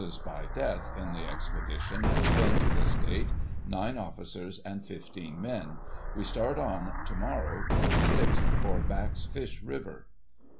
[184s by deaths in the expedition has been, to this date, nine officers and 15 men; we start on, to morrow, 26th, for Back's Fish River."